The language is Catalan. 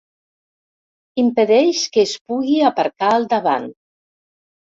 Impedeix que es pugui aparcar al davant.